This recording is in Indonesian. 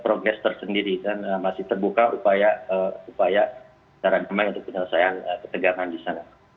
progres tersendiri dan masih terbuka upaya secara damai untuk penyelesaian ketegangan di sana